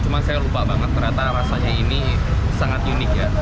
cuma saya lupa banget ternyata rasanya ini sangat unik ya